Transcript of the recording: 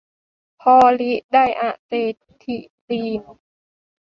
พอลิไดอะเซทิลีน